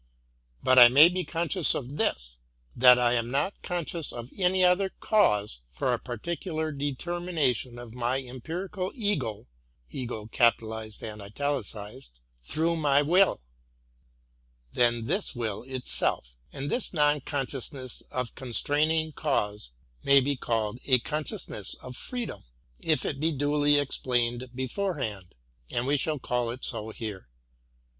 But I may be conscious of this, — that I am not conscious of any other cause for a particular determination of my empirical c2 urn Ki: ii. through my will, than this will itself j — and this non consciousness of constraining cause may be called a con sciousness of freedom, if it be duly explained beforehand; and we shall call it so here.